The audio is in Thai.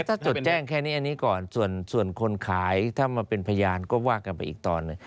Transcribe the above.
ถ้าจดแจ้งแค่นี้อันนี้ก่อนส่วนคนขายถ้ามาเป็นพยานก็ว่ากันไปอีกตอนหนึ่ง